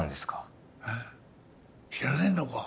知らねえのか。